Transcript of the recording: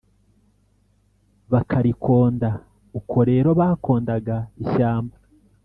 bakarikonda.uko rero bakondaga ishyamba